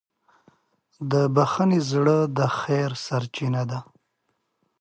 د بښنې زړه د خیر منبع ده.